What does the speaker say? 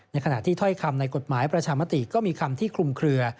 ขณะที่ถ้อยคำในกฎหมายประชามติก็มีคำที่คลุมเคลือ